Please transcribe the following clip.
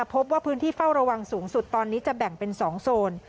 พบว่าพื้นที่เฝ้าระวังสูงสุดตอนนี้จะแบ่งเป็น๒โซน